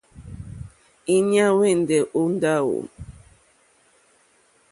Íɲá hwɛ́ndɛ̀ ó ndáwò.